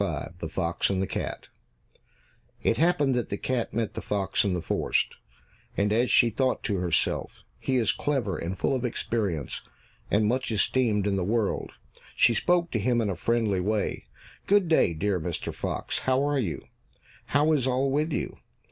75 The Fox and the Cat It happened that the cat met the fox in a forest, and as she thought to herself, "He is clever and full of experience, and much esteemed in the world," she spoke to him in a friendly way. "Good day, dear Mr. Fox, how are you? How is all with you?